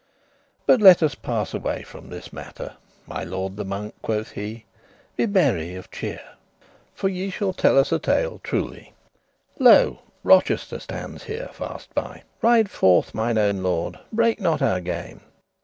<2> But let us pass away from this mattere. My lord the Monk," quoth he, "be merry of cheer, For ye shall tell a tale truely. Lo, Rochester stands here faste by. Ride forth, mine owen lord, break not our game.